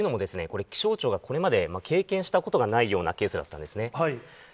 というのも、これ、気象庁がこれまで経験したことがないようなケースだったんですね。